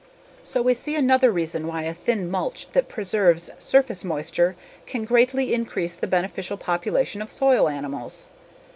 So we see another reason why a thin mulch that preserves surface moisture can greatly increase the beneficial population of soil animals.